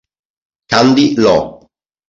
Candy Lo